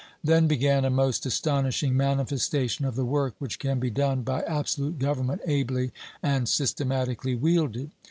Then began a most astonishing manifestation of the work which can be done by absolute government ably and systematically wielded.